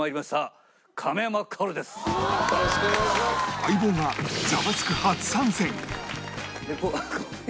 『相棒』が『ザワつく！』初参戦！